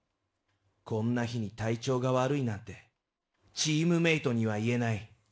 こんな日に体調が悪いなんて、チームメートには言えない。